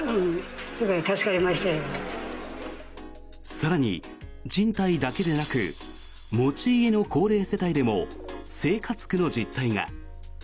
更に、賃貸だけでなく持ち家の高齢世帯でも生活苦の実態が。